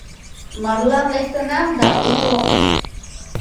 Марлан лектынам да уло.